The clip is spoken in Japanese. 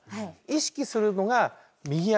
意識するのが右足。